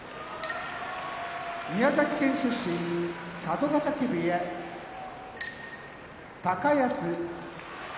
宮崎県出身佐渡ヶ嶽部屋高安